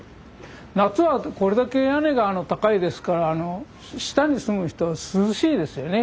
夏はこれだけ屋根が高いですから下に住む人は涼しいですよね。